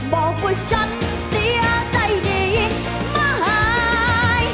บอกว่าฉันเสียใจดีมาหาย